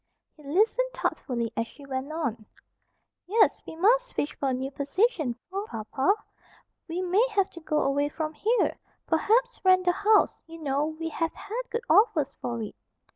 He listened thoughtfully as she went on: "Yes, we must fish for a new position for papa. We may have to go away from here. Perhaps rent the house. You know, we have had good offers for it."